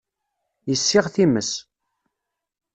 Yessiɣ times.